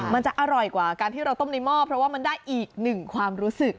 มันจะอร่อยกว่าการที่เราต้มในหม้อเพราะว่ามันได้อีกหนึ่งความรู้สึก